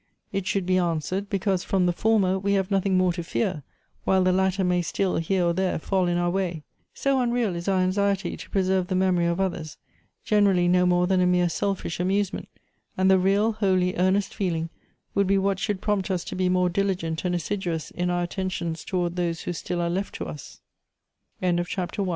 It should be answered, becausa from the former we have nothing more to fear, while the latter may still, here or there, fall in our way. So un real is our anxiety to preserve the memory of others, — generally no more than a mere selfish amusement ; and the real, holy, earnest feeling, would be what should prompt us to be more diligent and assiduous i